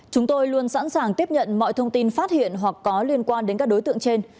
chúng tôi luôn sẵn sàng tiếp nhận mọi thông tin phát hiện hoặc có liên quan đến các đối tượng trên